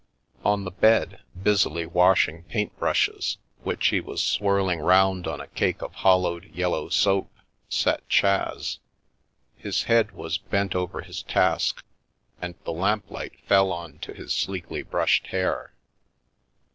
On the bed, busily washing paint brushes, which he was swirling round on a cake of hollowed yellow soap, sat Chas. His head was bent over his task, and the lamplight fell on to his sleekly brushed hair.